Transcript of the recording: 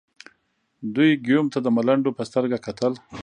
دوی ګیوم ته د ملنډو په سترګه کتل.